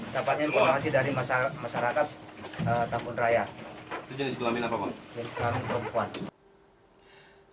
jenis kelamin perempuan